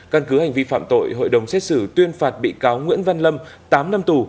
căn cứ hành vi phạm tội hội đồng xét xử tuyên phạt bị cáo nguyễn văn lâm tám năm tù